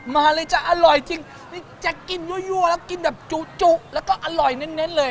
มาเลยจะอร่อยจริงนี่แจ๊คกินยั่วแล้วกินแบบจุแล้วก็อร่อยเน้นเลย